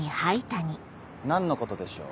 何のことでしょう。